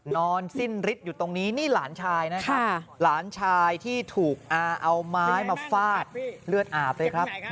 นอนสิ้นฤทธิ์อยู่ตรงนี้นี่หลานชายนะครับหลานชายที่ถูกอาเอาไม้มาฟาดเลือดอาบเลยครับ